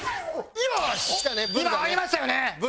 今入りましたよね！？